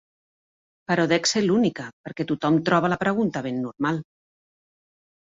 Però dec ser l'única, perquè tothom troba la pregunta ben normal.